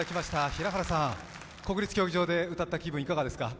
平原さん、国立競技場で歌った気分はいかがですか？